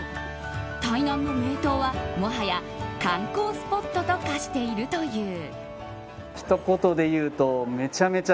台南の名東は、もはや観光スポットと化しているという。